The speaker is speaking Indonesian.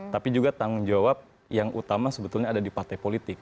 tapi juga tanggung jawab yang utama sebetulnya ada di partai politik